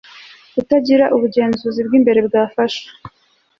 kutagira ubugenzuzi bw imbere bwafasha